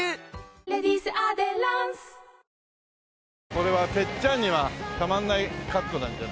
これは鉄ちゃんにはたまらないカットなんじゃない？